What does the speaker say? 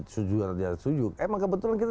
tuju atau tidak tuju emang kebetulan kita